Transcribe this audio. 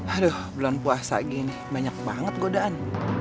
aduh bulan puasa gini banyak banget godaan